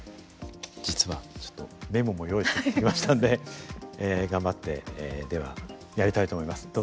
実はちょっとメモも用意してきましたので頑張ってではやりたいと思います。